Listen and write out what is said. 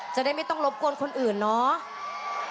จะได้ไม่ต้องรบกวนคนอื่นเนาะ